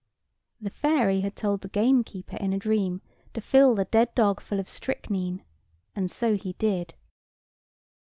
The fairy had told the gamekeeper in a dream, to fill the dead dog full of strychnine; and so he did.